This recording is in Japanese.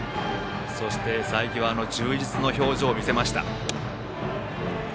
そして佐伯は充実の表情を見せました。